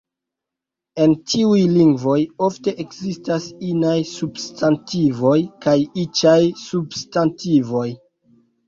En tiuj lingvoj, ofte ekzistas inaj substantivoj kaj iĉaj substantivoj.